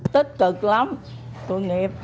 tích cực lắm tội nghiệp